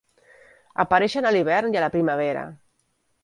Apareixen a l'hivern i a la primavera.